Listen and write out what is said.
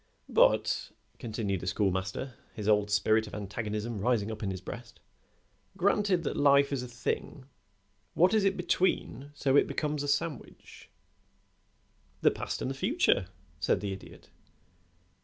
"But," continued the Schoolmaster, his old spirit of antagonism rising up in his breast, "granted that life is a thing, what is it between so that it becomes a sandwich?" "The past and the future," said the Idiot.